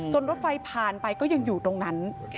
รถไฟผ่านไปก็ยังอยู่ตรงนั้น